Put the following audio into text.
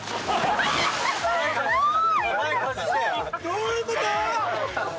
どういうこと？